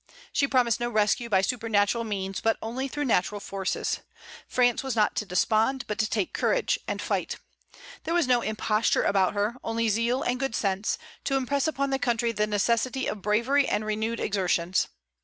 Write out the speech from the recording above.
She promised no rescue by supernatural means, but only through natural forces. France was not to despond, but to take courage, and fight. There was no imposture about her, only zeal and good sense, to impress upon the country the necessity of bravery and renewed exertions.